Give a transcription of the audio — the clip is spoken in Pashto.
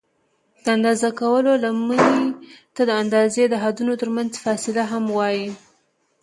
د اندازه کولو لمنې ته د اندازې د حدونو ترمنځ فاصله هم وایي.